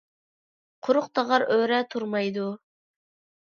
قۇرۇق تاغار ئۆرە تۇرمايدۇ.